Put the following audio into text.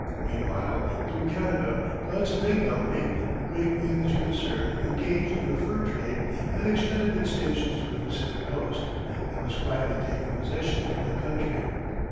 Meanwhile through Canada, the Hudson Bay Company, a great English concern engaged in the fur trade, had extended its stations to the Pacific coast, and was quietly taking possession of the country.